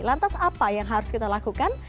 lantas apa yang harus kita lakukan